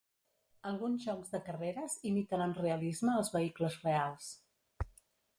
Alguns jocs de carreres imiten amb realisme els vehicles reals.